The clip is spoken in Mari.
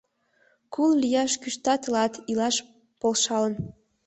Кул лияш кӱшта тылат, илаш полшалын